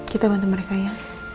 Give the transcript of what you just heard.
kita bantu mereka ya